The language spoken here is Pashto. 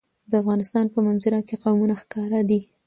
د افغانستان په منظره کې قومونه ښکاره ده.